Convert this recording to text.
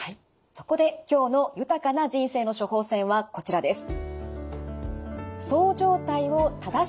そこで今日の「豊かな人生の処方せん」はこちらです。